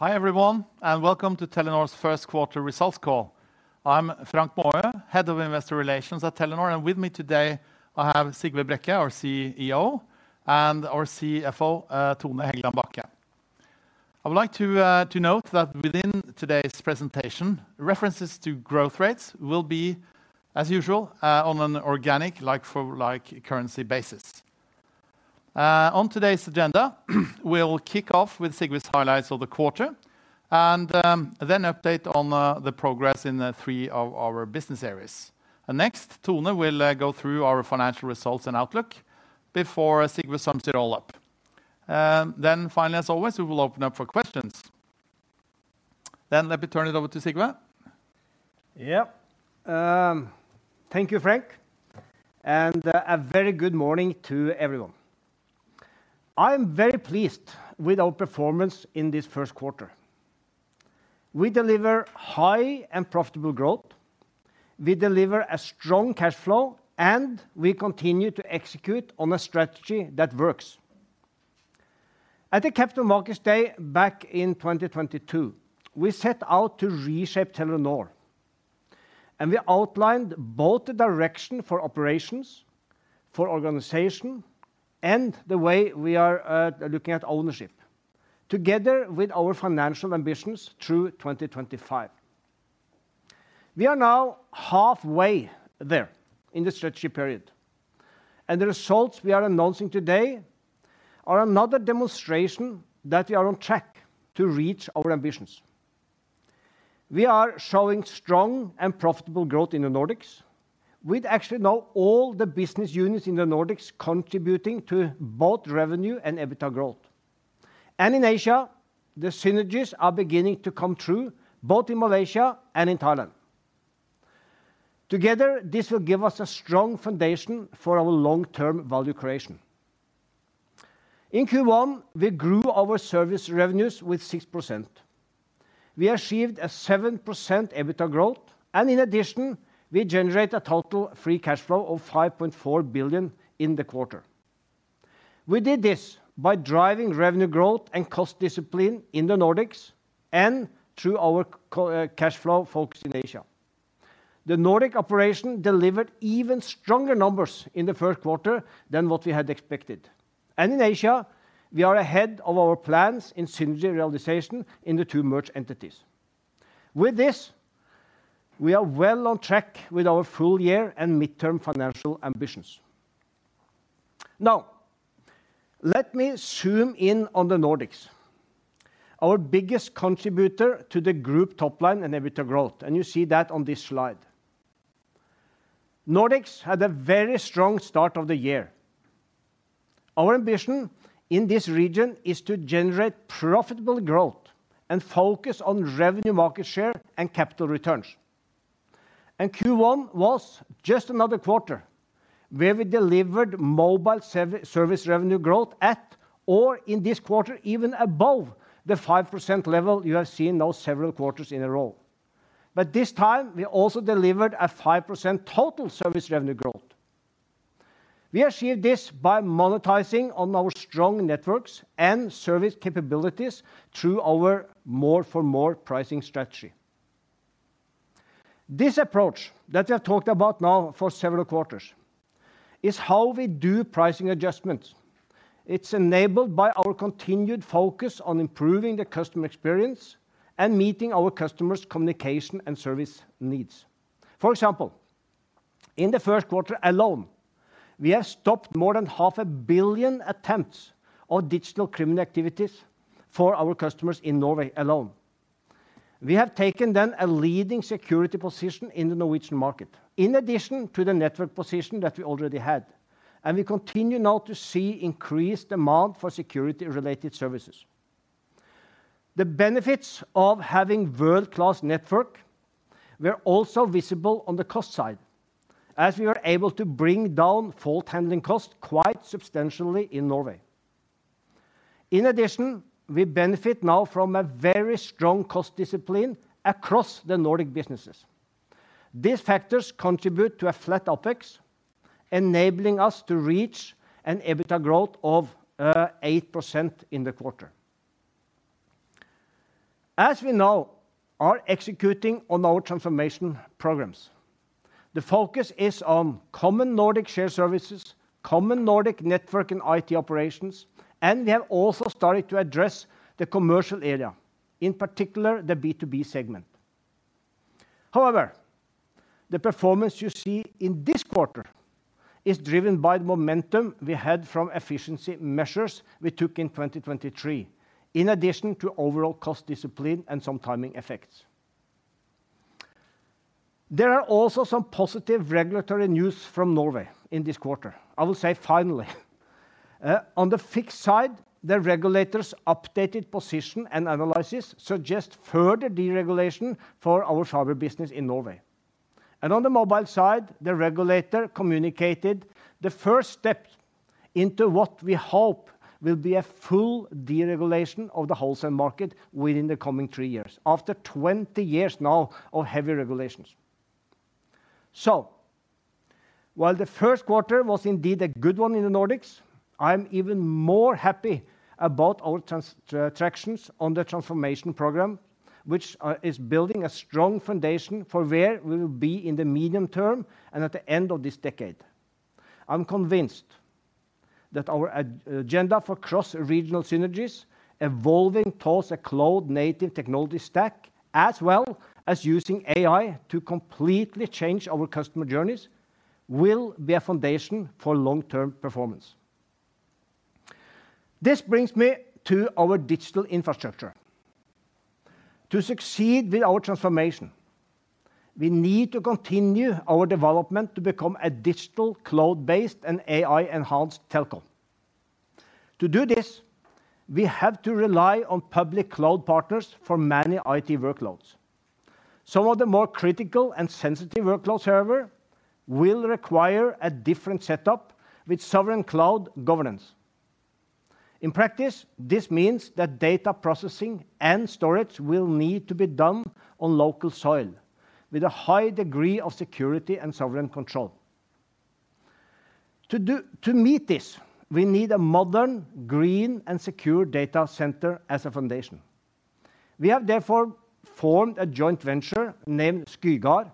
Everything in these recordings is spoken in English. Hi everyone, and welcome to Telenor's first quarter results call. I'm Frank Maaø, Head of Investor Relations at Telenor, and with me today I have Sigve Brekke, our CEO, and our CFO, Tone Hegland Bachke. I would like to note that within today's presentation, references to growth rates will be, as usual, on an organic, like-currency basis. On today's agenda, we'll kick off with Sigve's highlights of the quarter, and then update on the progress in three of our business areas. Next, Tone will go through our financial results and outlook before Sigve sums it all up. Then, finally, as always, we will open up for questions. Then let me turn it over to Sigve. Yep. Thank you, Frank, and a very good morning to everyone. I'm very pleased with our performance in this first quarter. We deliver high and profitable growth, we deliver a strong cash flow, and we continue to execute on a strategy that works. At the Capital Markets Day back in 2022, we set out to reshape Telenor, and we outlined both the direction for operations, for organization, and the way we are looking at ownership, together with our financial ambitions through 2025. We are now halfway there in the strategy period, and the results we are announcing today are another demonstration that we are on track to reach our ambitions. We are showing strong and profitable growth in the Nordics. We actually know all the business units in the Nordics contributing to both revenue and EBITDA growth. In Asia, the synergies are beginning to come through, both in Malaysia and in Thailand. Together, this will give us a strong foundation for our long-term value creation. In Q1, we grew our service revenues with 6%. We achieved a 7% EBITDA growth, and in addition, we generated a total free cash flow of 5.4 billion in the quarter. We did this by driving revenue growth and cost discipline in the Nordics, and through our cash flow focus in Asia. The Nordic operation delivered even stronger numbers in the first quarter than what we had expected. And in Asia, we are ahead of our plans in synergy realization in the two merged entities. With this, we are well on track with our full-year and mid-term financial ambitions. Now, let me zoom in on the Nordics, our biggest contributor to the group top-line and EBITDA growth, and you see that on this slide. Nordics had a very strong start of the year. Our ambition in this region is to generate profitable growth and focus on revenue market share and capital returns. Q1 was just another quarter where we delivered mobile service revenue growth at, or in this quarter, even above the 5% level you have seen now several quarters in a row. This time we also delivered a 5% total service revenue growth. We achieved this by monetizing on our strong networks and service capabilities through our more-for-more pricing strategy. This approach that we have talked about now for several quarters is how we do pricing adjustments. It's enabled by our continued focus on improving the customer experience and meeting our customers' communication and service needs. For example, in the first quarter alone, we have stopped more than 500 million attempts of digital criminal activities for our customers in Norway alone. We have taken then a leading security position in the Norwegian market, in addition to the network position that we already had, and we continue now to see increased demand for security-related services. The benefits of having a world-class network were also visible on the cost side, as we were able to bring down fault handling costs quite substantially in Norway. In addition, we benefit now from a very strong cost discipline across the Nordic businesses. These factors contribute to a flat OpEx, enabling us to reach an EBITDA growth of 8% in the quarter. As we know, we are executing on our transformation programs. The focus is on common Nordic shared services, common Nordic network and IT operations, and we have also started to address the commercial area, in particular the B2B segment. However, the performance you see in this quarter is driven by the momentum we had from efficiency measures we took in 2023, in addition to overall cost discipline and some timing effects. There are also some positive regulatory news from Norway in this quarter, I will say finally. On the fixed side, the regulator's updated position and analysis suggest further deregulation for our fiber business in Norway. On the mobile side, the regulator communicated the first steps into what we hope will be a full deregulation of the wholesale market within the coming three years, after 20 years now of heavy regulations. While the first quarter was indeed a good one in the Nordics, I'm even more happy about our traction on the transformation program, which is building a strong foundation for where we will be in the medium term and at the end of this decade. I'm convinced that our agenda for cross-regional synergies, evolving towards a cloud-native technology stack, as well as using AI to completely change our customer journeys, will be a foundation for long-term performance. This brings me to our digital infrastructure. To succeed with our transformation, we need to continue our development to become a digital, cloud-based, and AI-enhanced telco. To do this, we have to rely on public cloud partners for many IT workloads. Some of the more critical and sensitive workloads, however, will require a different setup with sovereign cloud governance. In practice, this means that data processing and storage will need to be done on local soil, with a high degree of security and sovereign control. To meet this, we need a modern, green, and secure data center as a foundation. We have therefore formed a joint venture named Skygard,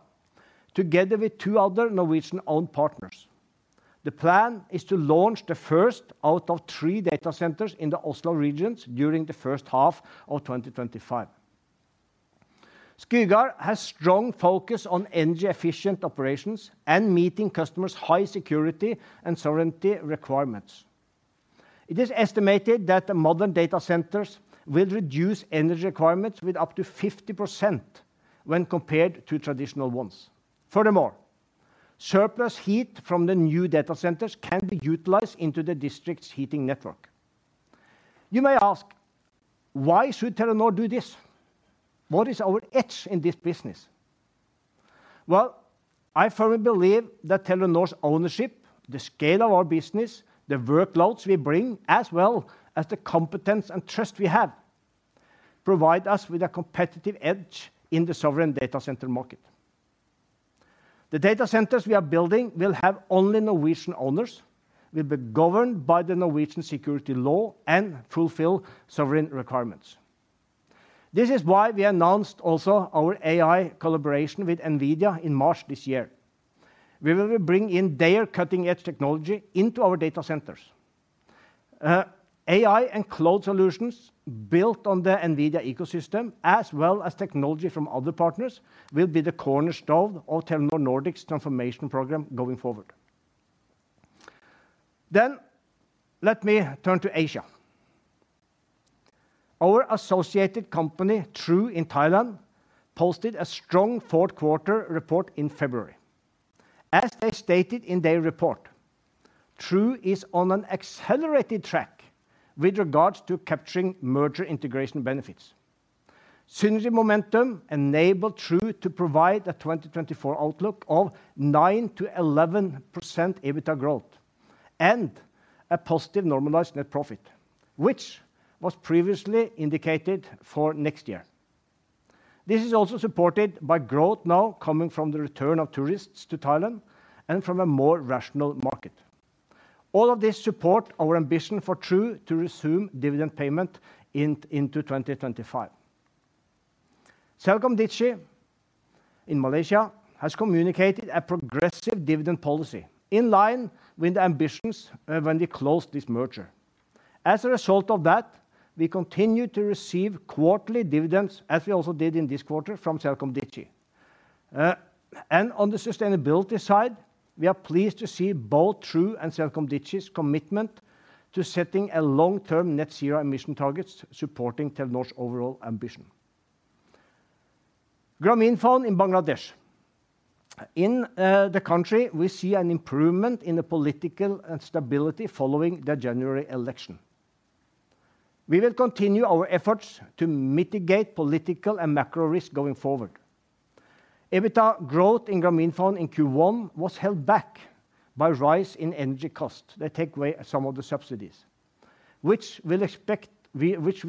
together with two other Norwegian-owned partners. The plan is to launch the first out of three data centers in the Oslo region during the first half of 2025. Skygard has a strong focus on energy-efficient operations and meeting customers' high security and sovereignty requirements. It is estimated that modern data centers will reduce energy requirements by up to 50% when compared to traditional ones. Furthermore, surplus heat from the new data centers can be utilized into the district heating network. You may ask, why should Telenor do this? What is our edge in this business? Well, I firmly believe that Telenor's ownership, the scale of our business, the workloads we bring, as well as the competence and trust we have, provide us with a competitive edge in the sovereign data center market. The data centers we are building will have only Norwegian owners, will be governed by Norwegian security law, and fulfill sovereign requirements. This is why we announced also our AI collaboration with NVIDIA in March this year. We will bring in their cutting-edge technology into our data centers. AI and cloud solutions built on the NVIDIA ecosystem, as well as technology from other partners, will be the cornerstone of Telenor Nordics' transformation program going forward. Then let me turn to Asia. Our associated company, True, in Thailand, posted a strong fourth quarter report in February. As they stated in their report, True is on an accelerated track with regards to capturing merger integration benefits. Synergy momentum enabled True to provide a 2024 outlook of 9%-11% EBITDA growth, and a positive normalized net profit, which was previously indicated for next year. This is also supported by growth now coming from the return of tourists to Thailand, and from a more rational market. All of this supports our ambition for True to resume dividend payment into 2025. CelcomDigi in Malaysia has communicated a progressive dividend policy, in line with the ambitions when we closed this merger. As a result of that, we continue to receive quarterly dividends, as we also did in this quarter, from CelcomDigi. On the sustainability side, we are pleased to see both True and CelcomDigi's commitment to setting long-term net zero emission targets supporting Telenor's overall ambition. Grameenphone in Bangladesh. In the country, we see an improvement in the political stability following the January election. We will continue our efforts to mitigate political and macro risks going forward. EBITDA growth in Grameenphone in Q1 was held back by a rise in energy costs, they take away some of the subsidies, which we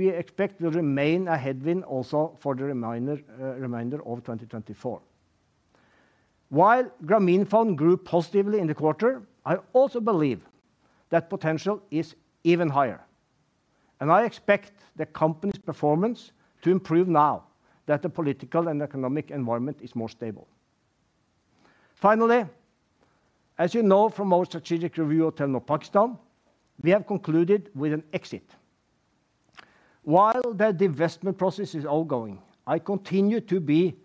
expect will remain a headwind also for the remainder of 2024. While Grameenphone grew positively in the quarter, I also believe that potential is even higher. I expect the company's performance to improve now, that the political and economic environment is more stable. Finally, as you know from our strategic review of Telenor Pakistan, we have concluded with an exit. While the divestment process is ongoing, I continue to be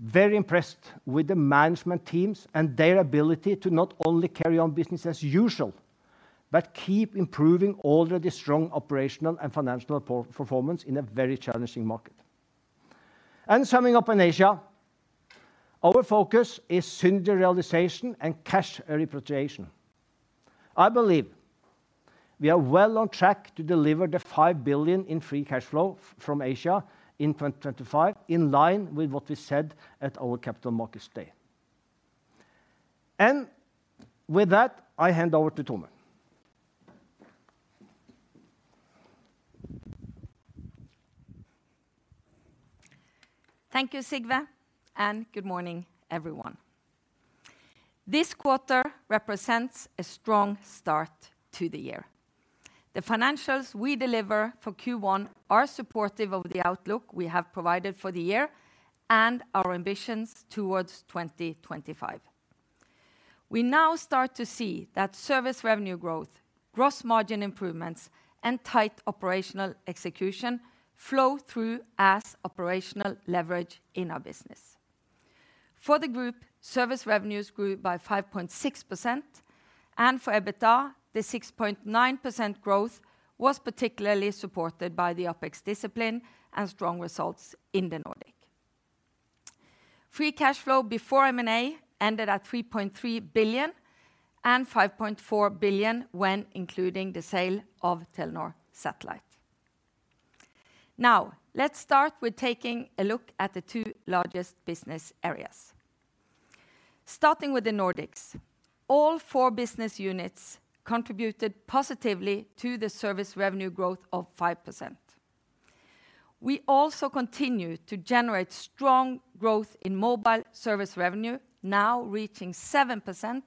very impressed with the management teams and their ability to not only carry on business as usual, but keep improving already strong operational and financial performance in a very challenging market. Summing up in Asia, our focus is synergy realization and cash repatriation. I believe we are well on track to deliver 5 billion in free cash flow from Asia in 2025, in line with what we said at our Capital Markets Day. With that, I hand over to Tone. Thank you, Sigve, and good morning, everyone. This quarter represents a strong start to the year. The financials we deliver for Q1 are supportive of the outlook we have provided for the year, and our ambitions towards 2025. We now start to see that service revenue growth, gross margin improvements, and tight operational execution flow through as operational leverage in our business. For the group, service revenues grew by 5.6%, and for EBITDA, the 6.9% growth was particularly supported by the OpEx discipline and strong results in the Nordic. Free cash flow before M&A ended at 3.3 billion, and 5.4 billion when including the sale of Telenor Satellite. Now, let's start with taking a look at the two largest business areas. Starting with the Nordics, all four business units contributed positively to the service revenue growth of 5%. We also continue to generate strong growth in mobile service revenue, now reaching 7%,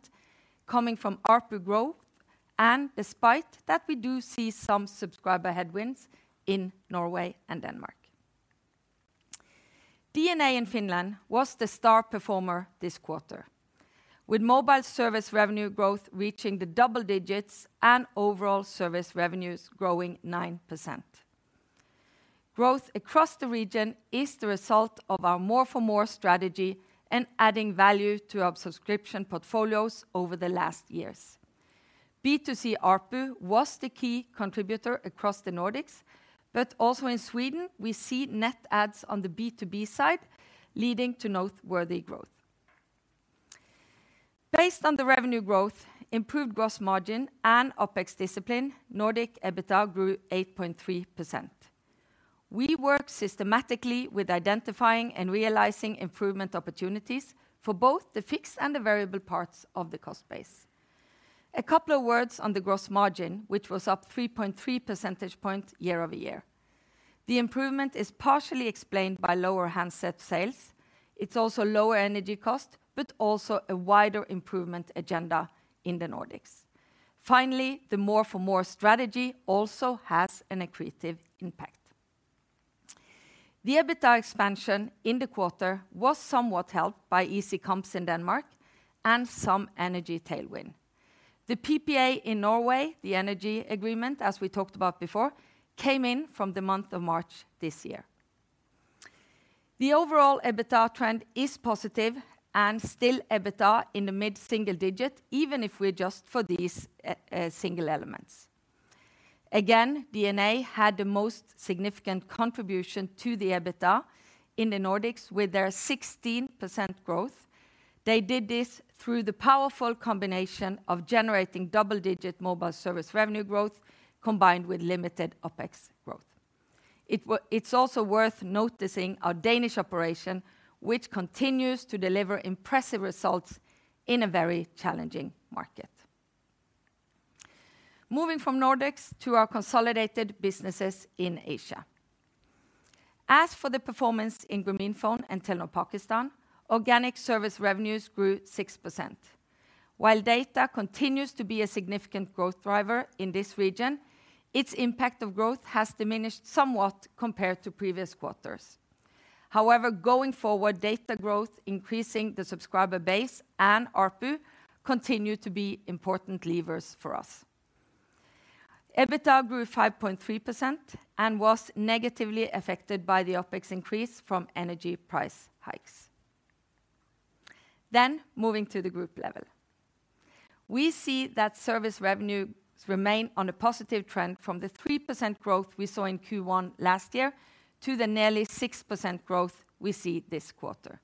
coming from ARPU growth, and despite that, we do see some subscriber headwinds in Norway and Denmark. DNA in Finland was the star performer this quarter, with mobile service revenue growth reaching the double digits and overall service revenues growing 9%. Growth across the region is the result of our More-for-more strategy and adding value to our subscription portfolios over the last years. B2C ARPU was the key contributor across the Nordics, but also in Sweden, we see net adds on the B2B side, leading to noteworthy growth. Based on the revenue growth, improved gross margin, and OpEx discipline, Nordic EBITDA grew 8.3%. We work systematically with identifying and realizing improvement opportunities for both the fixed and the variable parts of the cost base. A couple of words on the gross margin, which was up 3.3 percentage points year-over-year. The improvement is partially explained by lower handset sales. It's also lower energy cost, but also a wider improvement agenda in the Nordics. Finally, the more-for-more strategy also has an accretive impact. The EBITDA expansion in the quarter was somewhat helped by easy comps in Denmark and some energy tailwind. The PPA in Norway, the energy agreement, as we talked about before, came in from the month of March this year. The overall EBITDA trend is positive, and still EBITDA in the mid-single digit, even if we adjust for these single elements. Again, DNA had the most significant contribution to the EBITDA in the Nordics, with their 16% growth. They did this through the powerful combination of generating double-digit mobile service revenue growth, combined with limited OpEx growth. It's also worth noticing our Danish operation, which continues to deliver impressive results in a very challenging market. Moving from Nordics to our consolidated businesses in Asia. As for the performance in Grameenphone and Telenor Pakistan, organic service revenues grew 6%. While data continues to be a significant growth driver in this region, its impact of growth has diminished somewhat compared to previous quarters. However, going forward, data growth, increasing the subscriber base, and ARPU continue to be important levers for us. EBITDA grew 5.3% and was negatively affected by the OpEx increase from energy price hikes. Then moving to the group level. We see that service revenues remain on a positive trend from the 3% growth we saw in Q1 last year to the nearly 6% growth we see this quarter.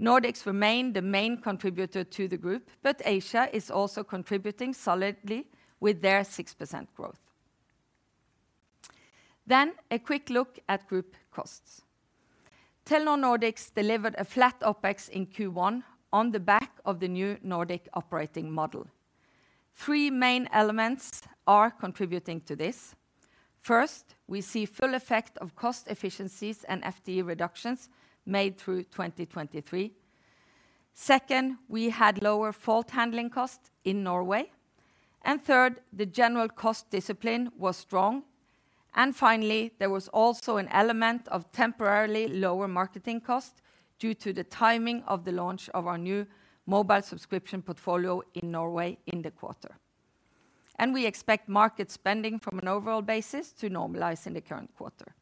Nordics remain the main contributor to the group, but Asia is also contributing solidly with their 6% growth. Then a quick look at group costs. Telenor Nordics delivered a flat OpEx in Q1 on the back of the new Nordic operating model. Three main elements are contributing to this. First, we see full effect of cost efficiencies and FTE reductions made through 2023. Second, we had lower fault handling costs in Norway. Third, the general cost discipline was strong. Finally, there was also an element of temporarily lower marketing cost due to the timing of the launch of our new mobile subscription portfolio in Norway in the quarter. We expect market spending from an overall basis to normalize in the current quarter.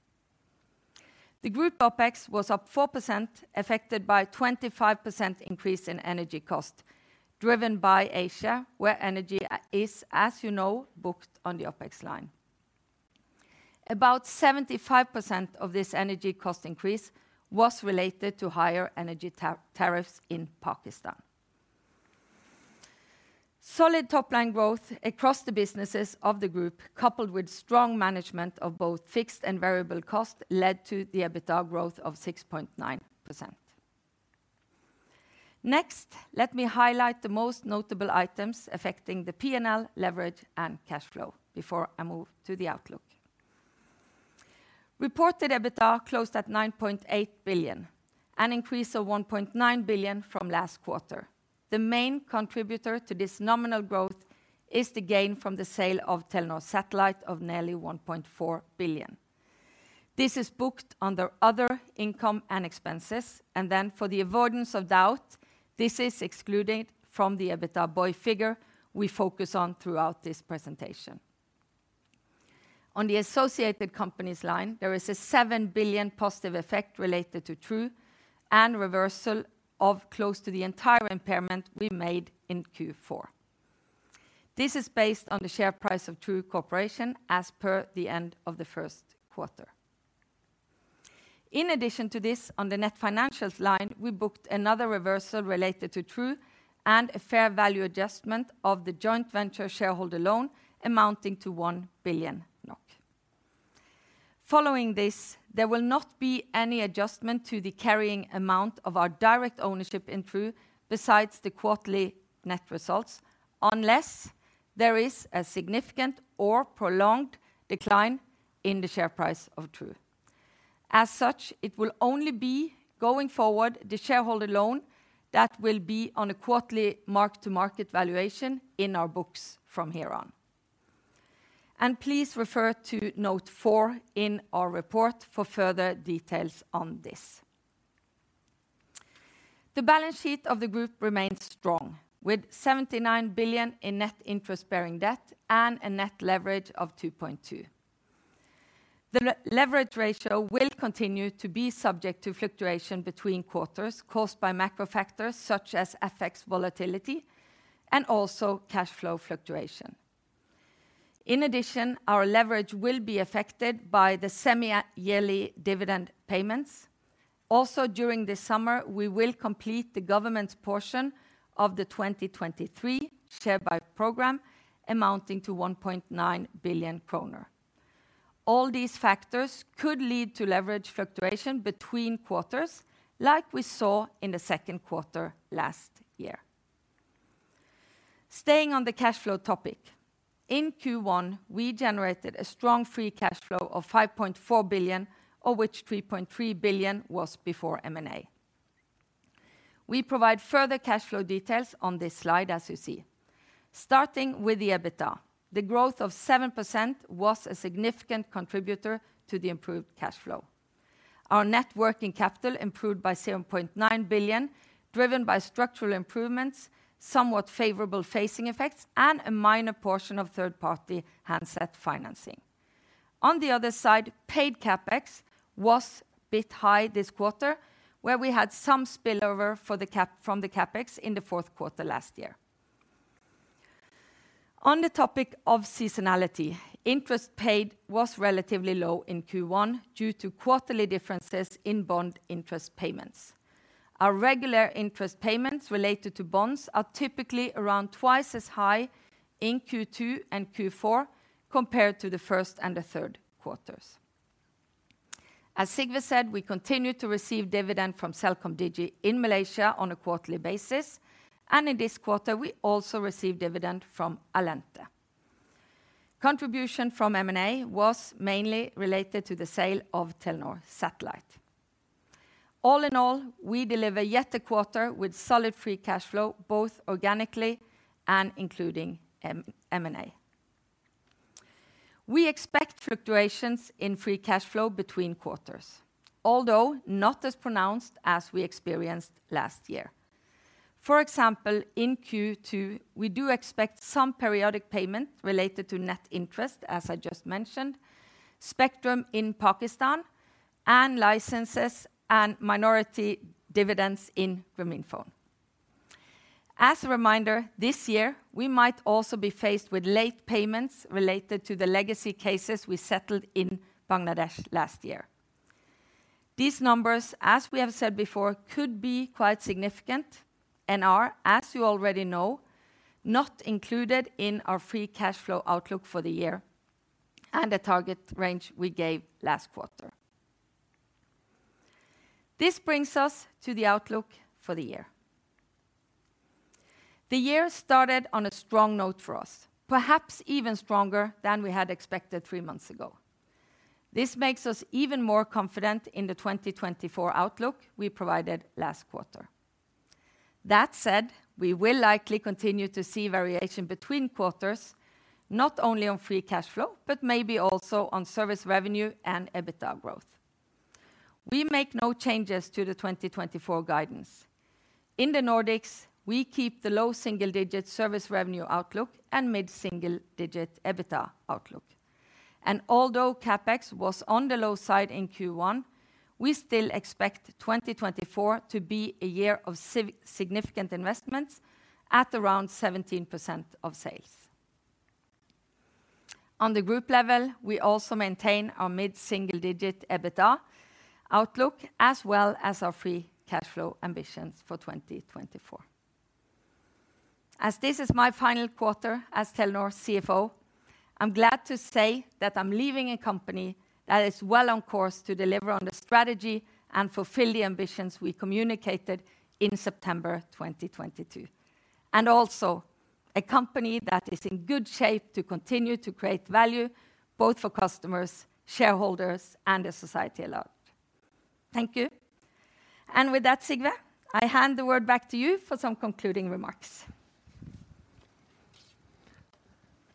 The group OpEx was up 4%, affected by a 25% increase in energy cost, driven by Asia, where energy is, as you know, booked on the OpEx line. About 75% of this energy cost increase was related to higher energy tariffs in Pakistan. Solid top-line growth across the businesses of the group, coupled with strong management of both fixed and variable costs, led to the EBITDA growth of 6.9%. Next, let me highlight the most notable items affecting the P&L, leverage, and cash flow before I move to the outlook. Reported EBITDA closed at 9.8 billion, an increase of 1.9 billion from last quarter. The main contributor to this nominal growth is the gain from the sale of Telenor Satellite of nearly 1.4 billion. This is booked under other income and expenses. And then, for the avoidance of doubt, this is excluded from the EBITDA before figure we focus on throughout this presentation. On the associated companies line, there is a 7 billion positive effect related to True, and reversal of close to the entire impairment we made in Q4. This is based on the share price of True Corporation as per the end of the first quarter. In addition to this, on the net financials line, we booked another reversal related to True, and a fair value adjustment of the joint venture shareholder loan amounting to 1 billion NOK. Following this, there will not be any adjustment to the carrying amount of our direct ownership in True besides the quarterly net results, unless there is a significant or prolonged decline in the share price of True. As such, it will only be, going forward, the shareholder loan that will be on a quarterly mark-to-market valuation in our books from here on. Please refer to note four in our report for further details on this. The balance sheet of the group remains strong, with 79 billion in net interest-bearing debt and a net leverage of 2.2. The leverage ratio will continue to be subject to fluctuation between quarters, caused by macro factors such as FX volatility, and also cash flow fluctuation. In addition, our leverage will be affected by the semi-yearly dividend payments. Also, during this summer, we will complete the government's portion of the 2023 share buy program, amounting to 1.9 billion kroner. All these factors could lead to leverage fluctuation between quarters, like we saw in the second quarter last year. Staying on the cash flow topic, in Q1, we generated a strong free cash flow of 5.4 billion, of which 3.3 billion was before M&A. We provide further cash flow details on this slide, as you see. Starting with the EBITDA, the growth of 7% was a significant contributor to the improved cash flow. Our net working capital improved by 0.9 billion, driven by structural improvements, somewhat favorable facing effects, and a minor portion of third-party handset financing. On the other side, paid CapEx was a bit high this quarter, where we had some spillover from the CapEx in the fourth quarter last year. On the topic of seasonality, interest paid was relatively low in Q1 due to quarterly differences in bond interest payments. Our regular interest payments related to bonds are typically around twice as high in Q2 and Q4 compared to the first and the third quarters. As Sigve said, we continue to receive dividend from CelcomDigi in Malaysia on a quarterly basis, and in this quarter, we also receive dividend from Allente. Contribution from M&A was mainly related to the sale of Telenor Satellite. All in all, we deliver yet a quarter with solid free cash flow, both organically and including M&A. We expect fluctuations in free cash flow between quarters, although not as pronounced as we experienced last year. For example, in Q2, we do expect some periodic payment related to net interest, as I just mentioned, spectrum in Pakistan, and licenses and minority dividends in Grameenphone. As a reminder, this year, we might also be faced with late payments related to the legacy cases we settled in Bangladesh last year. These numbers, as we have said before, could be quite significant and are, as you already know, not included in our free cash flow outlook for the year and the target range we gave last quarter. This brings us to the outlook for the year. The year started on a strong note for us, perhaps even stronger than we had expected three months ago. This makes us even more confident in the 2024 outlook we provided last quarter. That said, we will likely continue to see variation between quarters, not only on free cash flow, but maybe also on service revenue and EBITDA growth. We make no changes to the 2024 guidance. In the Nordics, we keep the low single-digit service revenue outlook and mid-single-digit EBITDA outlook. Although CapEx was on the low side in Q1, we still expect 2024 to be a year of significant investments at around 17% of sales. On the group level, we also maintain our mid-single-digit EBITDA outlook, as well as our free cash flow ambitions for 2024. As this is my final quarter as Telenor CFO, I'm glad to say that I'm leaving a company that is well on course to deliver on the strategy and fulfill the ambitions we communicated in September 2022, and also a company that is in good shape to continue to create value, both for customers, shareholders, and the society alike. Thank you. And with that, Sigve, I hand the word back to you for some concluding remarks.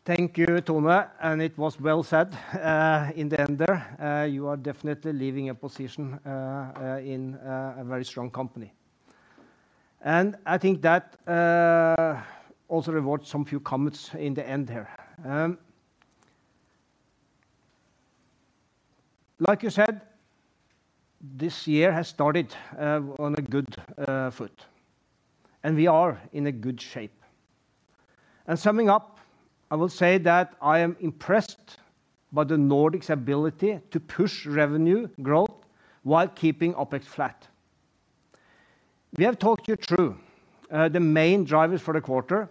Thank you, Tone. And it was well said in the end there. You are definitely leaving a position in a very strong company. And I think that also rewards some few comments in the end here. Like you said, this year has started on a good foot, and we are in a good shape. Summing up, I will say that I am impressed by the Nordics' ability to push revenue growth while keeping OpEx flat. We have talked to you, True, the main drivers for the quarter,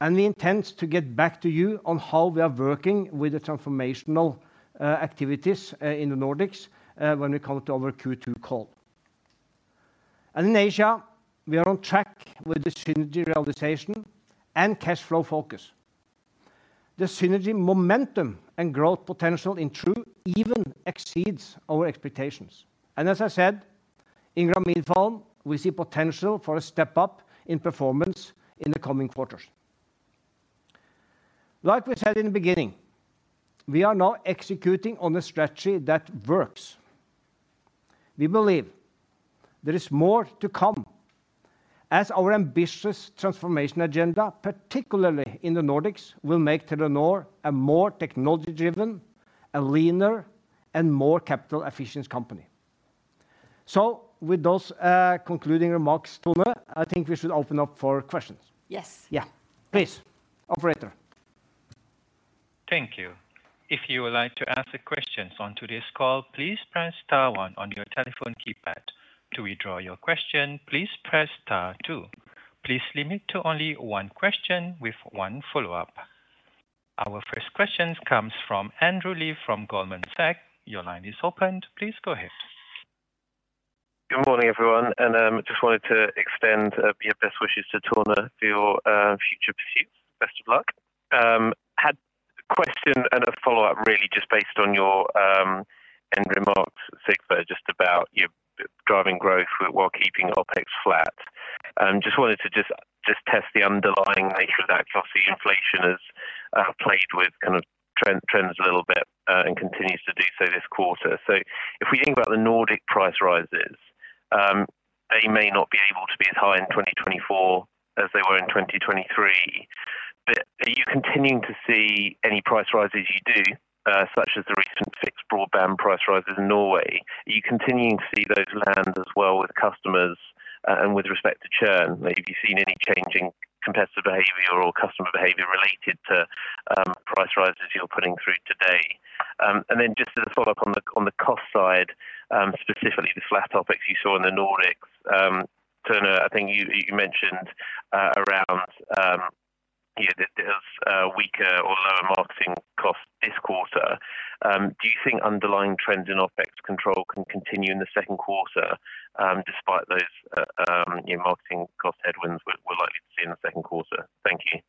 and we intend to get back to you on how we are working with the transformational activities in the Nordics when we come to our Q2 call. In Asia, we are on track with the synergy realization and cash flow focus. The synergy momentum and growth potential in True even exceeds our expectations. As I said, in Grameenphone, we see potential for a step up in performance in the coming quarters. Like we said in the beginning, we are now executing on a strategy that works. We believe there is more to come, as our ambitious transformation agenda, particularly in the Nordics, will make Telenor a more technology-driven, a leaner, and more capital-efficient company. With those concluding remarks, Tone, I think we should open up for questions. Yes. Yeah, please. Operator. Thank you. If you would like to ask a question on today's call, please press star one on your telephone keypad. To withdraw your question, please press star two. Please limit to only one question with one follow-up. Our first question comes from Andrew Lee from Goldman Sachs. Your line is open. Please go ahead. Good morning, everyone. I just wanted to extend my best wishes to Tone for your future pursuits. Best of luck. Had a question and a follow-up, really, just based on your end remarks, Sigve, just about your driving growth while keeping OpEx flat. Just wanted to just test the underlying nature of that because I see inflation has played with kind of trends a little bit and continues to do so this quarter. So if we think about the Nordic price rises, they may not be able to be as high in 2024 as they were in 2023. But are you continuing to see any price rises? You do, such as the recent fixed broadband price rises in Norway. Are you continuing to see those land as well with customers and with respect to churn? Have you seen any changing competitive behavior or customer behavior related to price rises you're putting through today? And then just as a follow-up on the cost side, specifically the flat OpEx you saw in the Nordics, Tone, I think you mentioned around there's weaker or lower marketing costs this quarter. Do you think underlying trends in OpEx control can continue in the second quarter, despite those marketing cost headwinds we're likely to see in the second quarter? Thank you.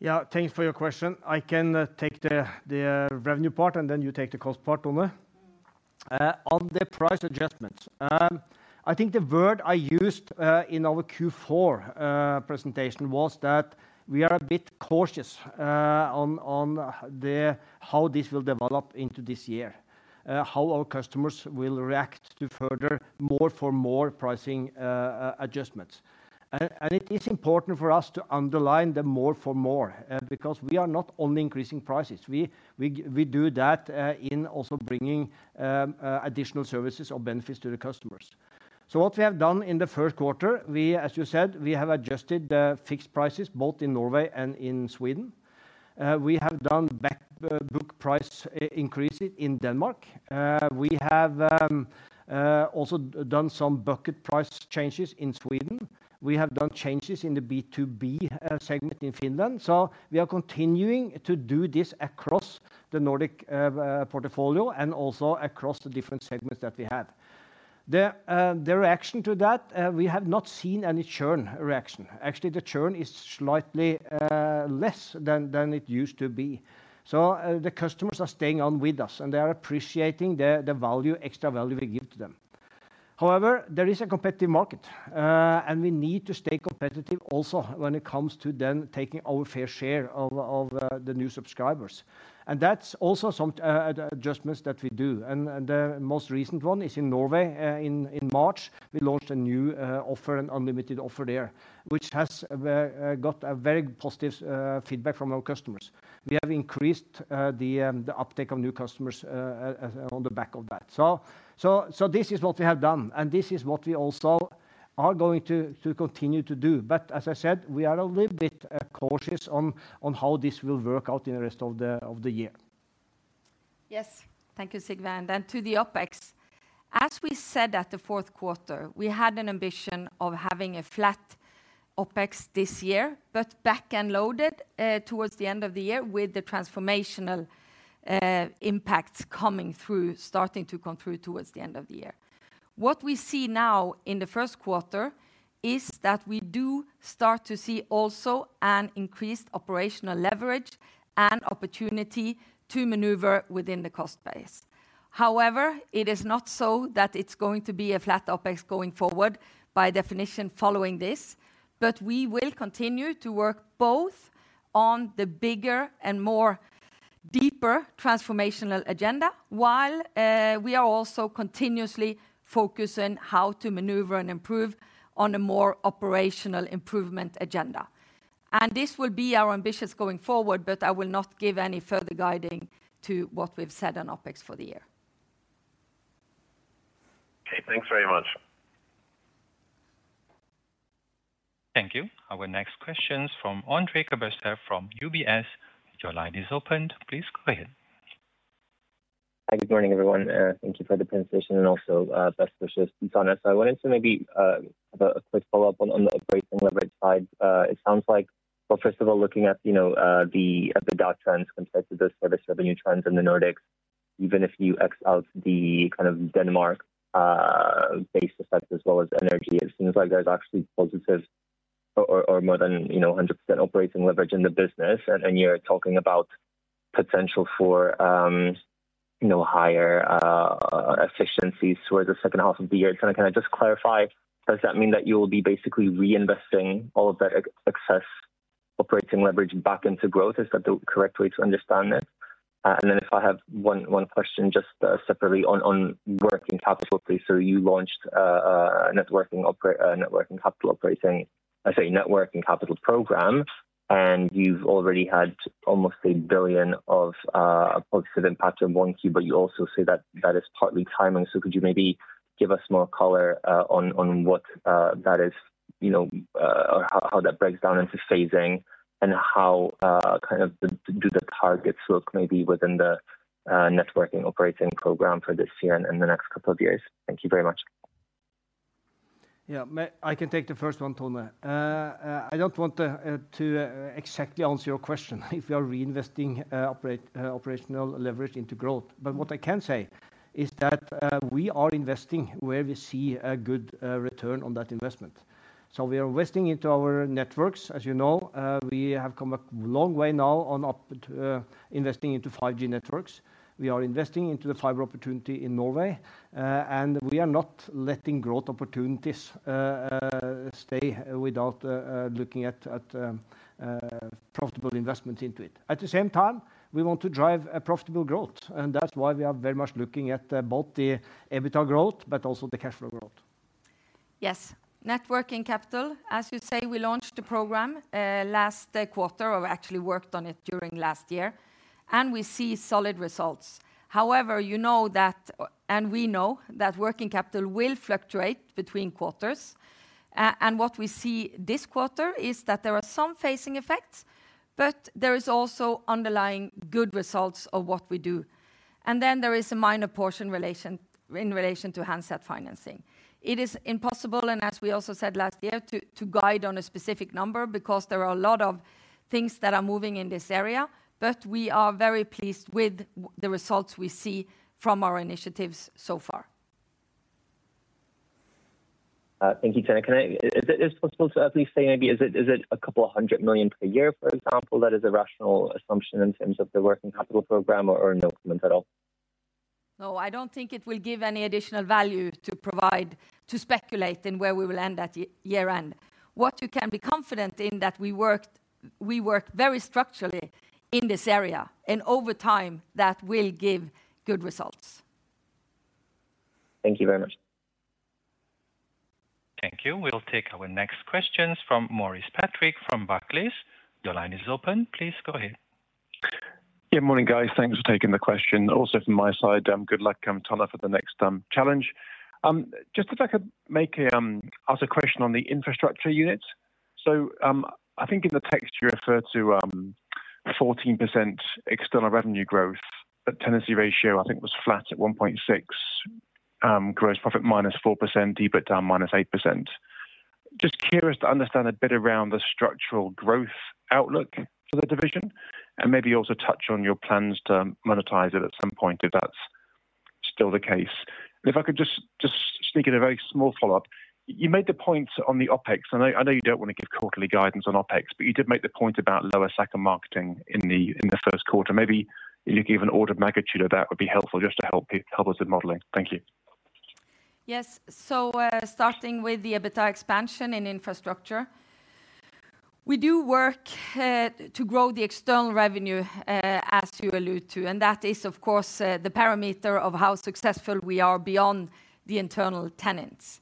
Yeah, thanks for your question. I can take the revenue part, and then you take the cost part, Tone. On the price adjustments, I think the word I used in our Q4 presentation was that we are a bit cautious on how this will develop into this year, how our customers will react to further more-for-more pricing adjustments. And it is important for us to underline the more-for-more because we are not only increasing prices. We do that in also bringing additional services or benefits to the customers. So what we have done in the first quarter, as you said, we have adjusted the fixed prices both in Norway and in Sweden. We have done back-book price increases in Denmark. We have also done some bucket price changes in Sweden. We have done changes in the B2B segment in Finland. So we are continuing to do this across the Nordic portfolio and also across the different segments that we have. The reaction to that, we have not seen any churn reaction. Actually, the churn is slightly less than it used to be. So the customers are staying on with us, and they are appreciating the extra value we give to them. However, there is a competitive market, and we need to stay competitive also when it comes to then taking our fair share of the new subscribers. And that's also some adjustments that we do. And the most recent one is in Norway. In March, we launched a new offer, an unlimited offer there, which has got very positive feedback from our customers. We have increased the uptake of new customers on the back of that. So this is what we have done, and this is what we also are going to continue to do. But as I said, we are a little bit cautious on how this will work out in the rest of the year. Yes. Thank you, Sigve. And then to the OpEx. As we said at the fourth quarter, we had an ambition of having a flat OpEx this year, but back-and-loaded towards the end of the year, with the transformational impacts starting to come through towards the end of the year. What we see now in the first quarter is that we do start to see also an increased operational leverage and opportunity to maneuver within the cost base. However, it is not so that it's going to be a flat OpEx going forward, by definition, following this. But we will continue to work both on the bigger and more deeper transformational agenda, while we are also continuously focused on how to maneuver and improve on a more operational improvement agenda. This will be our ambitions going forward, but I will not give any further guidance to what we've said on OpEx for the year. Okay. Thanks very much. Thank you. Our next question is from Ondrej Cabejsek from UBS. Your line is opened. Please go ahead. Hi. Good morning, everyone. Thank you for the presentation and also, best wishes, Tone. So I wanted to maybe have a quick follow-up on the operating leverage side. It sounds like, well, first of all, looking at the EBITDA trends compared to the service revenue trends in the Nordics, even if you X out the kind of Denmark-based effect as well as energy, it seems like there's actually positive or more than 100% operating leverage in the business. And you're talking about potential for higher efficiencies towards the second half of the year. Tone, can I just clarify, does that mean that you will be basically reinvesting all of that excess operating leverage back into growth? Is that the correct way to understand it? And then if I have one question just separately on working capital. So you launched a working capital operating I say, working capital program, and you've already had almost 1 billion of positive impact in 1Q, but you also say that that is partly timing. So could you maybe give us more color on what that is or how that breaks down into phasing and how kind of do the targets look maybe within the working capital operating program for this year and the next couple of years? Thank you very much. Yeah, I can take the first one, Tone. I don't want to exactly answer your question if we are reinvesting operational leverage into growth. But what I can say is that we are investing where we see a good return on that investment. So we are investing into our networks. As you know, we have come a long way now on investing into 5G networks. We are investing into the fiber opportunity in Norway, and we are not letting growth opportunities stay without looking at profitable investments into it. At the same time, we want to drive profitable growth. And that's why we are very much looking at both the EBITDA growth but also the cash flow growth. Yes. Working capital. As you say, we launched the program last quarter. We've actually worked on it during last year, and we see solid results. However, you know that and we know that working capital will fluctuate between quarters. And what we see this quarter is that there are some phasing effects, but there is also underlying good results of what we do. And then there is a minor portion in relation to handset financing. It is impossible, and as we also said last year, to guide on a specific number because there are a lot of things that are moving in this area. But we are very pleased with the results we see from our initiatives so far. Thank you, Tone. Is it possible to at least say maybe is it 200 million per year, for example, that is a rational assumption in terms of the working capital program or no comments at all? No, I don't think it will give any additional value to speculate in where we will end at year-end. What you can be confident in is that we work very structurally in this area, and over time, that will give good results. Thank you very much. Thank you. We'll take our next questions from Maurice Patrick from Barclays. Your line is open. Please go ahead. Good morning, guys. Thanks for taking the question. Also from my side, good luck, Tone, for the next challenge. Just if I could ask a question on the infrastructure units. So I think in the text, you refer to 14% external revenue growth. The tenancy ratio, I think, was flat at 1.6, gross profit -4%, EBITDA down -8%. Just curious to understand a bit around the structural growth outlook for the division and maybe also touch on your plans to monetize it at some point if that's still the case. And if I could just sneak in a very small follow-up, you made the point on the OpEx. I know you don't want to give quarterly guidance on OpEx, but you did make the point about lower second-half marketing in the first quarter. Maybe if you could give an order of magnitude of that, it would be helpful just to help us with modeling. Thank you. Yes. So starting with the EBITDA expansion in infrastructure, we do work to grow the external revenue, as you alluded to. And that is, of course, the parameter of how successful we are beyond the internal tenants.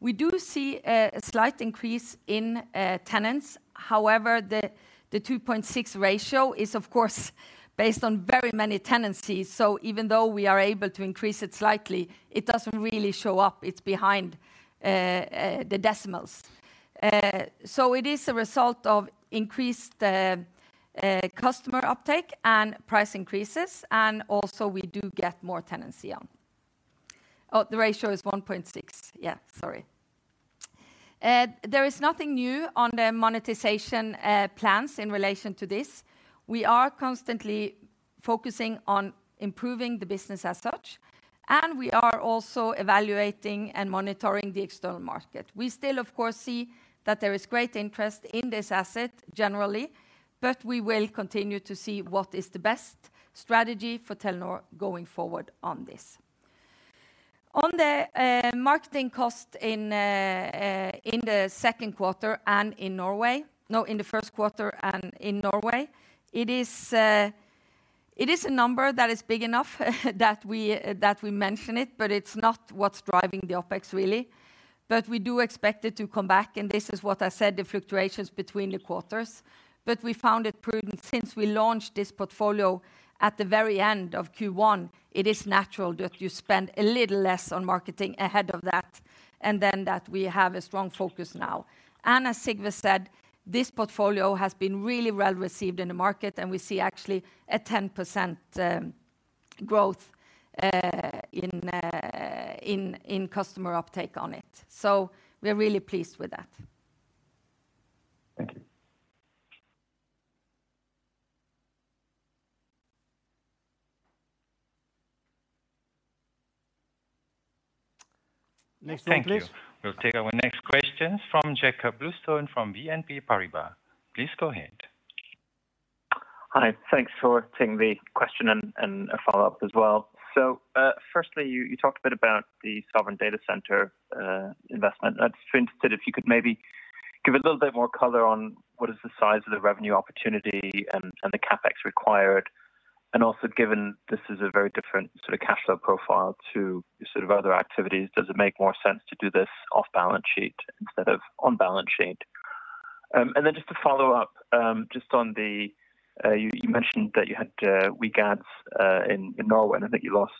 We do see a slight increase in tenants. However, the 2.6 ratio is, of course, based on very many tenancies. So even though we are able to increase it slightly, it doesn't really show up. It's behind the decimals. So it is a result of increased customer uptake and price increases. And also, we do get more tenancy on. Oh, the ratio is 1.6. Yeah, sorry. There is nothing new on the monetization plans in relation to this. We are constantly focusing on improving the business as such, and we are also evaluating and monitoring the external market. We still, of course, see that there is great interest in this asset generally, but we will continue to see what is the best strategy for Telenor going forward on this. On the marketing cost in the second quarter and in Norway no, in the first quarter and in Norway, it is a number that is big enough that we mention it, but it's not what's driving the OpEx, really. But we do expect it to come back. And this is what I said, the fluctuations between the quarters. But we found it prudent. Since we launched this portfolio at the very end of Q1, it is natural that you spend a little less on marketing ahead of that and then that we have a strong focus now. As Sigve said, this portfolio has been really well received in the market, and we see actually a 10% growth in customer uptake on it. We are really pleased with that. Thank you. Next one, please. Thank you. We'll take our next questions from Jakob Bluestone from BNP Paribas. Please go ahead. Hi. Thanks for taking the question and a follow-up as well. So firstly, you talked a bit about the sovereign data center investment. I'd be interested if you could maybe give a little bit more color on what is the size of the revenue opportunity and the CapEx required. And also, given this is a very different sort of cash flow profile to sort of other activities, does it make more sense to do this off-balance sheet instead of on-balance sheet? And then just to follow up, just on the you mentioned that you had weak ads in Norway, and I think you lost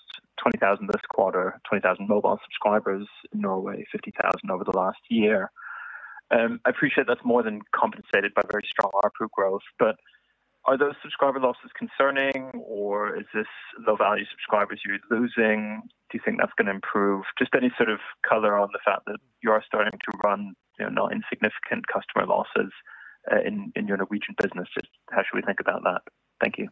20,000 this quarter, 20,000 mobile subscribers in Norway, 50,000 over the last year. I appreciate that's more than compensated by very strong ARPU growth. But are those subscriber losses concerning, or is this low-value subscribers you're losing? Do you think that's going to improve? Just any sort of color on the fact that you are starting to run not insignificant customer losses in your Norwegian business? How should we think about that? Thank you.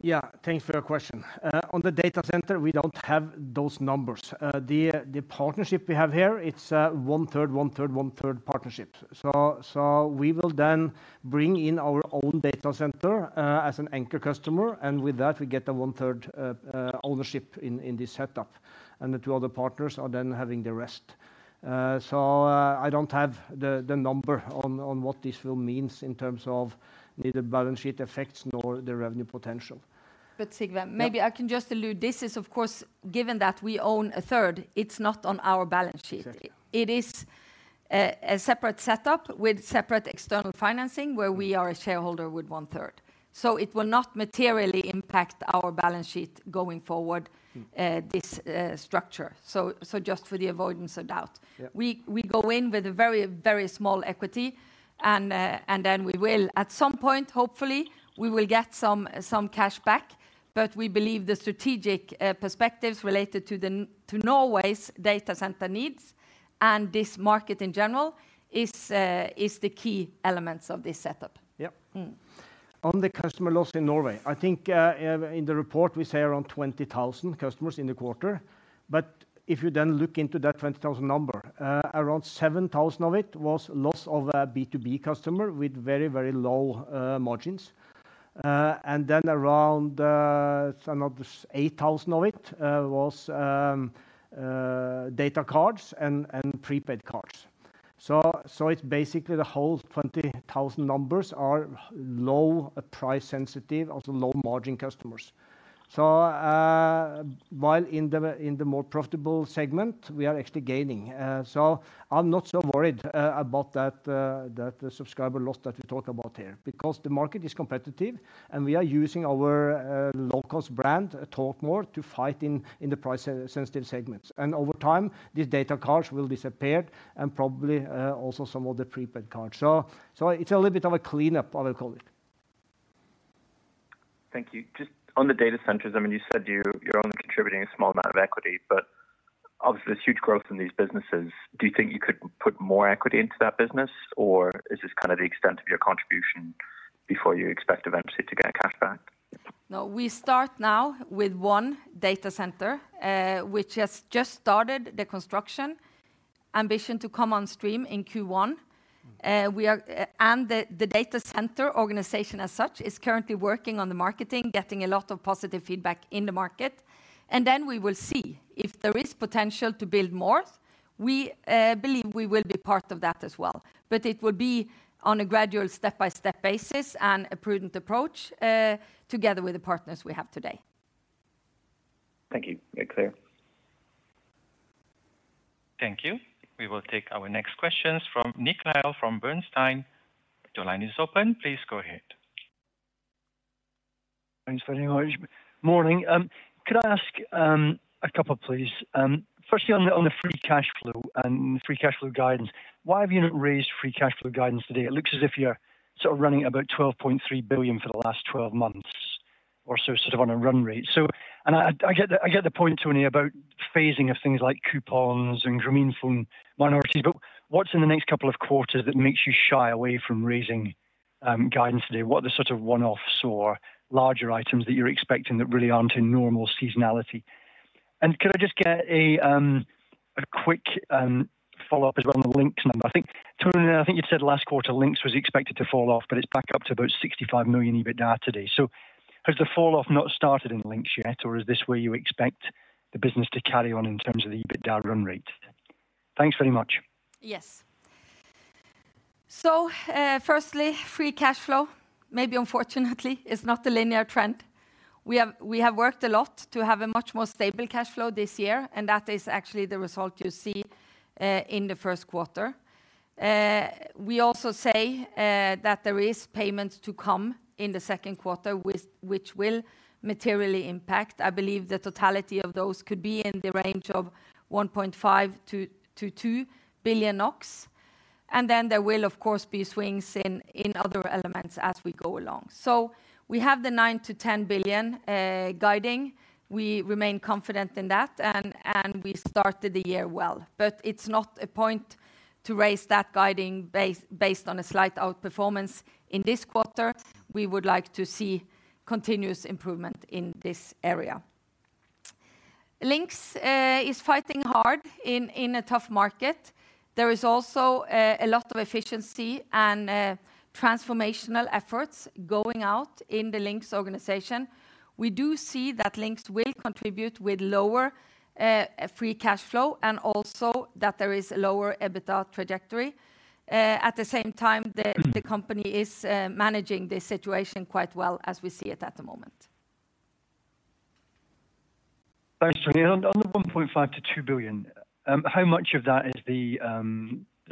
Yeah. Thanks for your question. On the data center, we don't have those numbers. The partnership we have here, it's 1/3, 1/3, 1/3 partnership. So we will then bring in our own data center as an anchor customer. And with that, we get a 1/3 ownership in this setup, and the two other partners are then having the rest. So I don't have the number on what this will mean in terms of neither balance sheet effects nor the revenue potential. But Sigve, maybe I can just allude. This is, of course, given that we own a third, it's not on our balance sheet. It is a separate setup with separate external financing where we are a shareholder with 1/3. So it will not materially impact our balance sheet going forward, this structure, so just for the avoidance of doubt. We go in with a very, very small equity, and then we will at some point, hopefully, we will get some cash back. But we believe the strategic perspectives related to Norway's data center needs and this market in general are the key elements of this setup. Yeah. On the customer loss in Norway, I think in the report, we say around 20,000 customers in the quarter. But if you then look into that 20,000 number, around 7,000 of it was loss of a B2B customer with very, very low margins. And then around 8,000 of it was data cards and prepaid cards. So it's basically the whole 20,000 numbers are low-price-sensitive, also low-margin customers. So while in the more profitable segment, we are actually gaining. So I'm not so worried about that subscriber loss that we talk about here because the market is competitive, and we are using our low-cost brand Talkmore to fight in the price-sensitive segments. And over time, these data cards will disappear and probably also some of the prepaid cards. So it's a little bit of a cleanup, I will call it. Thank you. Just on the data centers, I mean, you said you're only contributing a small amount of equity, but obviously, there's huge growth in these businesses. Do you think you could put more equity into that business, or is this kind of the extent of your contribution before you expect eventually to get cash back? No, we start now with one data center, which has just started the construction ambition to come on stream in Q1. The data center organization as such is currently working on the marketing, getting a lot of positive feedback in the market. Then we will see. If there is potential to build more, we believe we will be part of that as well. It will be on a gradual, step-by-step basis and a prudent approach together with the partners we have today. Thank you. My pleasure. Thank you. We will take our next questions from Nick Lyall from Bernstein. Your line is open. Please go ahead. Thanks very much. Morning. Could I ask a couple, please? Firstly, on the free cash flow and free cash flow guidance, why have you not raised free cash flow guidance today? It looks as if you're sort of running about 12.3 billion for the last 12 months or so, sort of on a run rate. And I get the point, Tone, about phasing of things like coupons and Grameenphone minorities. But what's in the next couple of quarters that makes you shy away from raising guidance today? What are the sort of one-offs or larger items that you're expecting that really aren't in normal seasonality? And could I just get a quick follow-up as well on the Linx number? I think, Tone, I think you'd said last quarter, Linx was expected to fall off, but it's back up to about 65 million EBITDA today. Has the falloff not started in Linx yet, or is this where you expect the business to carry on in terms of the EBITDA run rate? Thanks very much. Yes. So firstly, free cash flow, maybe unfortunately, is not the linear trend. We have worked a lot to have a much more stable cash flow this year, and that is actually the result you see in the first quarter. We also say that there is payment to come in the second quarter, which will materially impact. I believe the totality of those could be in the range of 1.5 billion-2 billion NOK. And then there will, of course, be swings in other elements as we go along. So we have the 9 billion-10 billion guiding. We remain confident in that, and we started the year well. But it's not a point to raise that guiding based on a slight outperformance in this quarter. We would like to see continuous improvement in this area. Linx is fighting hard in a tough market. There is also a lot of efficiency and transformational efforts going out in the Linx organization. We do see that Linx will contribute with lower free cash flow and also that there is a lower EBITDA trajectory. At the same time, the company is managing this situation quite well as we see it at the moment. Thanks, Tone. And on the 1.5 billion-2 billion, how much of that is the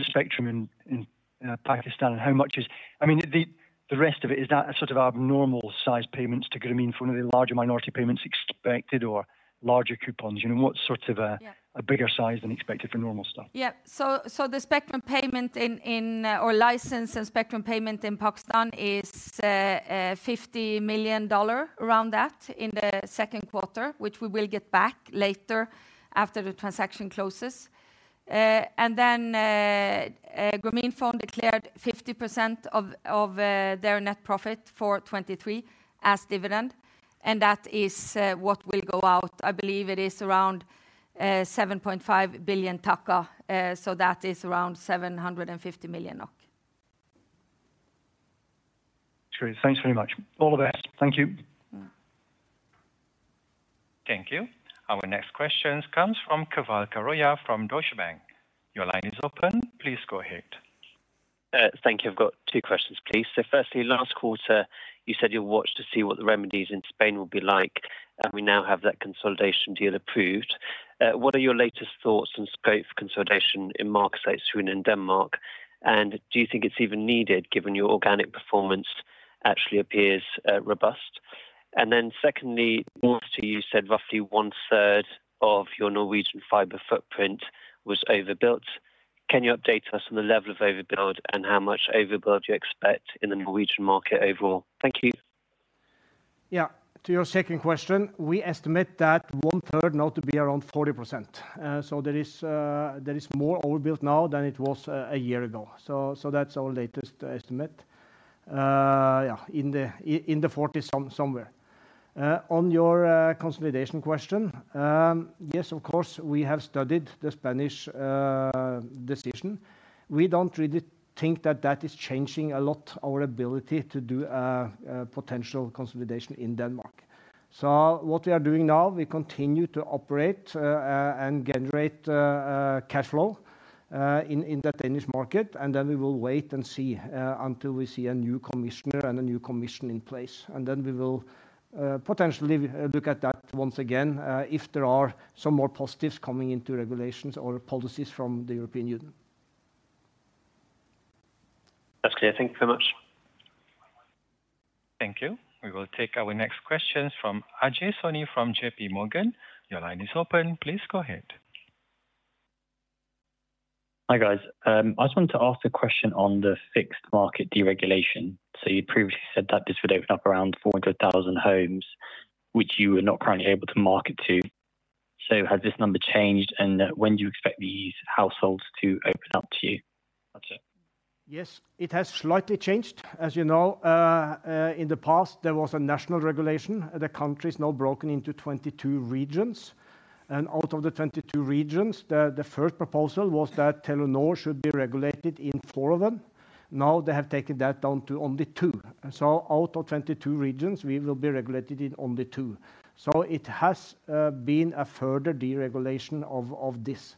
spectrum in Pakistan? And how much is, I mean, the rest of it, is that sort of abnormal-sized payments to Grameen for one of the larger minority payments expected or larger coupons? What's sort of a bigger size than expected for normal stuff? Yeah. So the spectrum payment in or license and spectrum payment in Pakistan is $50 million, around that, in the second quarter, which we will get back later after the transaction closes. And then Grameenphone declared 50% of their net profit for 2023 as dividend. And that is what will go out. I believe it is around BDT 7.5 billion. So that is around 750 million NOK. Great. Thanks very much. All the best. Thank you. Thank you. Our next question comes from Keval Khiroya from Deutsche Bank. Your line is open. Please go ahead. Thank you. I've got two questions, please. So firstly, last quarter, you said you'll watch to see what the remedies in Spain will be like. And we now have that consolidation deal approved. What are your latest thoughts on scope for consolidation in markets, i.e., Sweden and Denmark? And do you think it's even needed, given your organic performance actually appears robust? And then secondly, last year, you said roughly 1/3 of your Norwegian fiber footprint was overbuild. Can you update us on the level of overbuild and how much overbuild you expect in the Norwegian market overall? Thank you. Yeah. To your second question, we estimate that 1/3 now to be around 40%. So there is more overbuild now than it was a year ago. So that's our latest estimate. Yeah, in the 40s somewhere. On your consolidation question, yes, of course, we have studied the Spanish decision. We don't really think that that is changing a lot our ability to do potential consolidation in Denmark. So what we are doing now, we continue to operate and generate cash flow in the Danish market. And then we will wait and see until we see a new commissioner and a new commission in place. And then we will potentially look at that once again if there are some more positives coming into regulations or policies from the European Union. That's clear. Thank you very much. Thank you. We will take our next questions from Ajay Soni from JPMorgan. Your line is open. Please go ahead. Hi, guys. I just wanted to ask a question on the fixed market deregulation. So you previously said that this would open up around 400,000 homes, which you are not currently able to market to. So has this number changed, and when do you expect these households to open up to you? Yes, it has slightly changed. As you know, in the past, there was a national regulation. The country is now broken into 22 regions. Out of the 22 regions, the first proposal was that Telenor should be regulated in four of them. Now they have taken that down to only two. Out of 22 regions, we will be regulated in only two. It has been a further deregulation of this.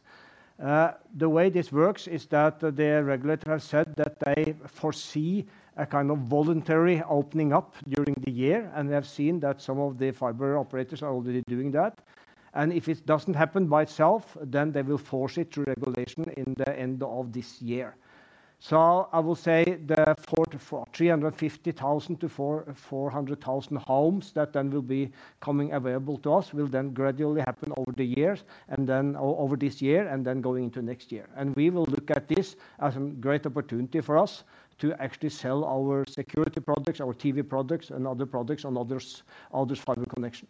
The way this works is that the regulators have said that they foresee a kind of voluntary opening up during the year. They have seen that some of the fiber operators are already doing that. If it doesn't happen by itself, then they will force it through regulation in the end of this year. I will say the 350,000-400,000 homes that then will be coming available to us will then gradually happen over the years and then over this year and then going into next year. We will look at this as a great opportunity for us to actually sell our security products, our TV products, and other products on other fiber connections.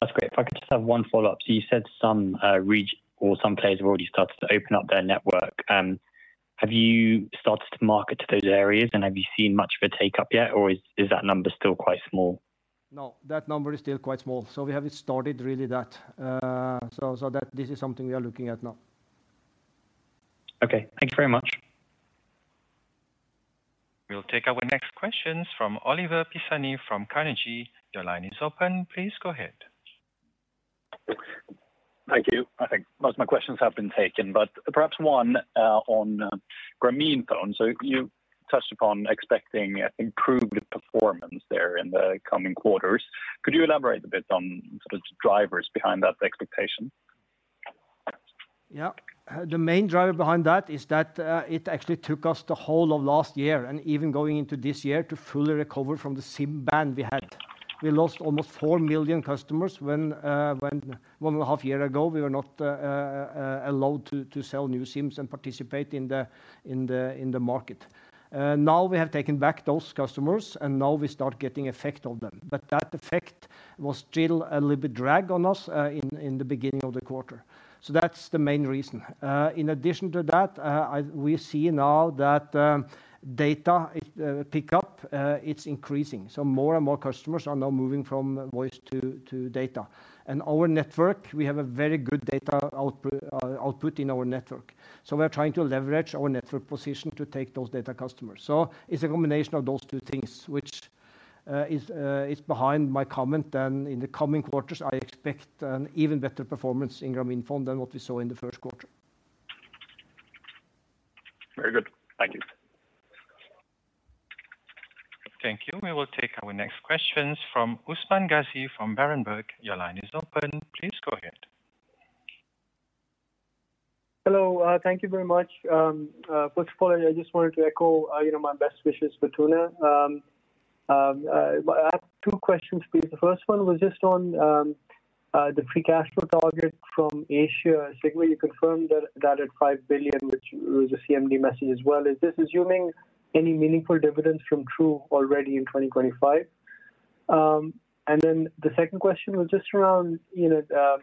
That's great. If I could just have one follow-up. So you said some region or some places have already started to open up their network. Have you started to market to those areas, and have you seen much of a takeup yet, or is that number still quite small? No, that number is still quite small. So we haven't started really that. So this is something we are looking at now. Okay. Thank you very much. We'll take our next questions from Oliver Pisani from Carnegie. Your line is open. Please go ahead. Thank you. I think most of my questions have been taken, but perhaps one on Grameenphone. So you touched upon expecting improved performance there in the coming quarters. Could you elaborate a bit on sort of the drivers behind that expectation? Yeah. The main driver behind that is that it actually took us the whole of last year and even going into this year to fully recover from the SIM ban we had. We lost almost 4 million customers when one and a half years ago, we were not allowed to sell new SIMs and participate in the market. Now we have taken back those customers, and now we start getting effect of them. But that effect was still a little bit drag on us in the beginning of the quarter. So that's the main reason. In addition to that, we see now that data pickup is increasing. So more and more customers are now moving from voice to data. And our network, we have a very good data output in our network. So we are trying to leverage our network position to take those data customers. It's a combination of those two things, which is behind my comment. In the coming quarters, I expect an even better performance in Grameenphone than what we saw in the first quarter. Very good. Thank you. Thank you. We will take our next questions from Usman Ghazi from Berenberg. Your line is open. Please go ahead. Hello. Thank you very much. First of all, I just wanted to echo my best wishes for Tone. I have two questions, please. The first one was just on the free cash flow target from Asia. Sigve, you confirmed that at 5 billion, which was a CMD message as well. Is this assuming any meaningful dividends from True already in 2025? And then the second question was just around the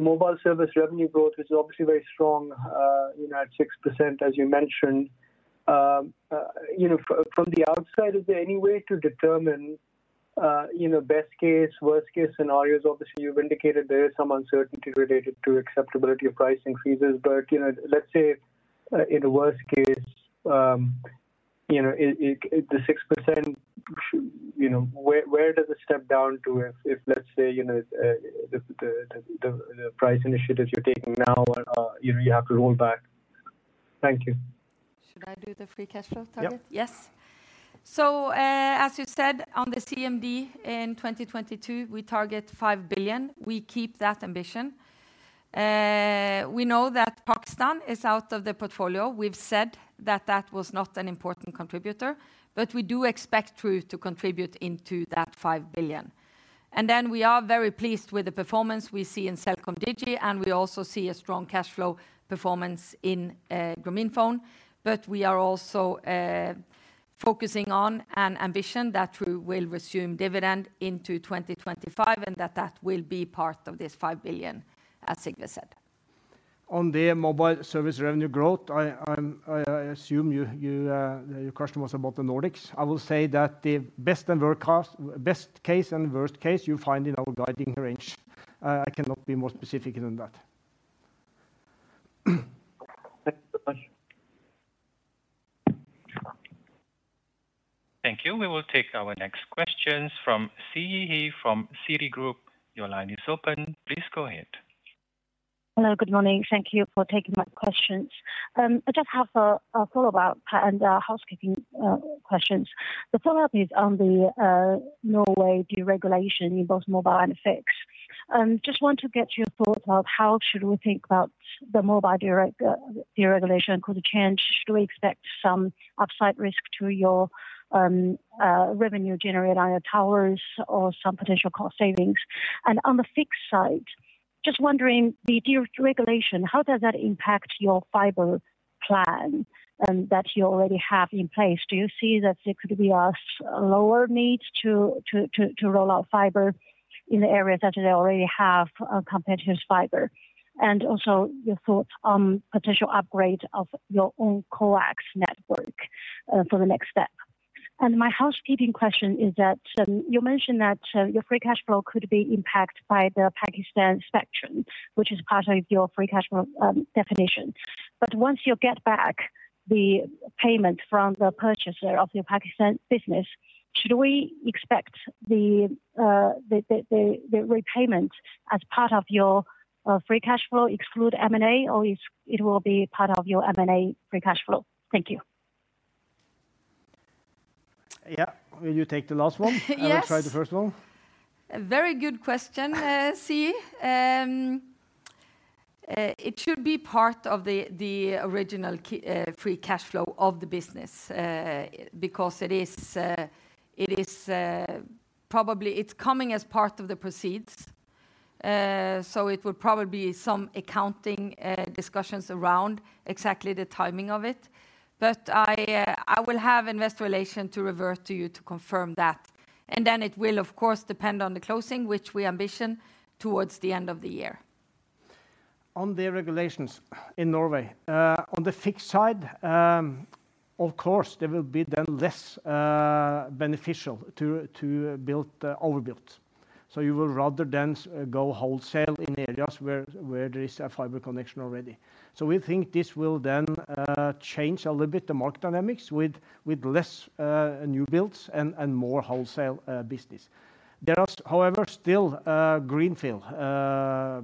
mobile service revenue growth, which is obviously very strong at 6%, as you mentioned. From the outside, is there any way to determine best case, worst case scenarios? Obviously, you've indicated there is some uncertainty related to acceptability of price increases. But let's say in the worst case, the 6%, where does it step down to if, let's say, the price initiative you're taking now, you have to roll back? Thank you. Should I do the free cash flow target? Yeah. Yes. So as you said, on the CMD in 2022, we target 5 billion. We keep that ambition. We know that Pakistan is out of the portfolio. We've said that that was not an important contributor. But we do expect True to contribute into that 5 billion. And then we are very pleased with the performance we see in CelcomDigi. And we also see a strong cash flow performance in Grameenphone. But we are also focusing on an ambition that True will resume dividend into 2025 and that that will be part of this 5 billion, as Sigve said. On the mobile service revenue growth, I assume your question was about the Nordics. I will say that the best and worst case and worst case you find in our guiding range. I cannot be more specific than that. Thank you so much. Thank you. We will take our next questions from Siyi He from Citigroup. Your line is open. Please go ahead. Hello. Good morning. Thank you for taking my questions. I just have a follow-up and housekeeping questions. The follow-up is on the Norway deregulation in both mobile and fixed. Just want to get your thoughts about how should we think about the mobile deregulation? Could it change? Should we expect some upside risk to your revenue generated on your towers or some potential cost savings? And on the fixed side, just wondering, the deregulation, how does that impact your fiber plan that you already have in place? Do you see that there could be a lower need to roll out fiber in the areas that they already have competitive fiber? And also your thoughts on potential upgrade of your own coax network for the next step. My housekeeping question is that you mentioned that your free cash flow could be impacted by the Pakistan spectrum, which is part of your free cash flow definition. Once you get back the payment from the purchaser of your Pakistan business, should we expect the repayment as part of your free cash flow exclude M&A, or it will be part of your M&A free cash flow? Thank you. Yeah. Will you take the last one? Yes. Or try the first one? Very good question, Siyi. It should be part of the original free cash flow of the business because it is probably coming as part of the proceeds. So it would probably be some accounting discussions around exactly the timing of it. But I will have Investor Relations revert to you to confirm that. And then it will, of course, depend on the closing, which we ambition towards the end of the year. On the regulations in Norway, on the fixed side, of course, there will be then less beneficial to build overbuild. So you will rather than go wholesale in areas where there is a fiber connection already. So we think this will then change a little bit the market dynamics with less new builds and more wholesale business. There are, however, still greenfield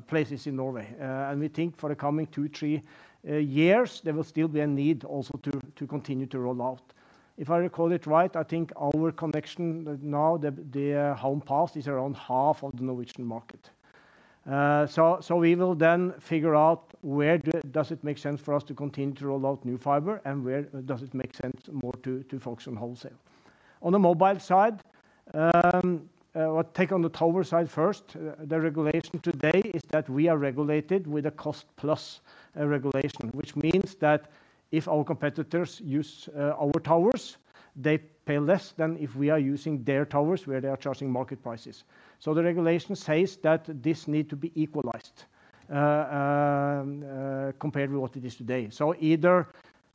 places in Norway. And we think for the coming two, three years, there will still be a need also to continue to roll out. If I recall it right, I think our connection now, the homes passed, is around half of the Norwegian market. So we will then figure out where does it make sense for us to continue to roll out new fiber, and where does it make sense more to focus on wholesale. On the mobile side, I'll take on the tower side first. The regulation today is that we are regulated with a cost-plus regulation, which means that if our competitors use our towers, they pay less than if we are using their towers where they are charging market prices. So the regulation says that this needs to be equalized compared with what it is today. So either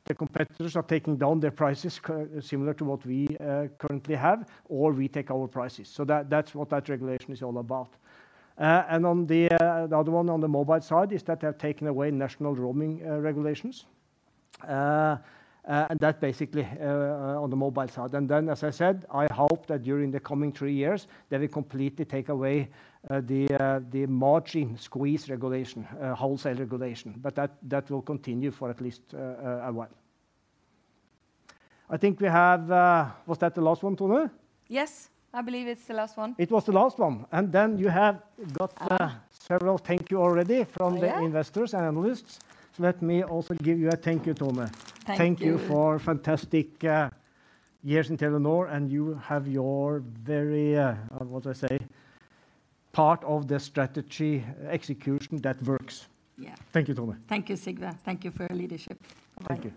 the competitors are taking down their prices similar to what we currently have, or we take our prices. So that's what that regulation is all about. And the other one on the mobile side is that they have taken away national roaming regulations. And that's basically on the mobile side. And then, as I said, I hope that during the coming three years, they will completely take away the margin squeeze regulation, wholesale regulation. But that will continue for at least a while. I think that was the last one, Tone? Yes. I believe it's the last one. It was the last one. Then you have got several thank you already from the investors and analysts. Let me also give you a thank you, Tone. Thank you. Thank you for fantastic years in Telenor. You have your very, what do I say, part of the strategy execution that works. Yeah. Thank you, Tone. Thank you, Sigve. Thank you for your leadership. Thank you.